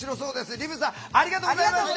リブさんありがとうございました！